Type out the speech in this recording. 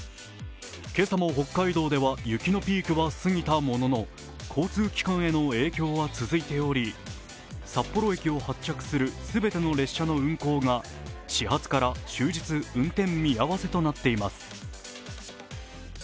今朝も北海道で雪のピークは過ぎたものの交通機関への影響は続いており、札幌駅を発着する全ての列車の運行が始発から終日、運転見合わせとなっています。